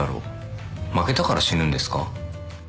「負けたから死ぬんですか？」